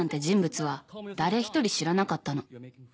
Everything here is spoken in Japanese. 人物は誰一人知らなかったの。